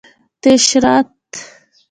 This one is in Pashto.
👕 تیشرت